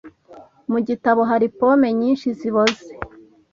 Mu gitebo hari pome nyinshi ziboze.